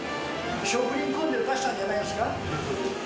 職人根性を出したんじゃないですか。